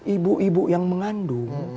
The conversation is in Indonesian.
ibu ibu yang mengandung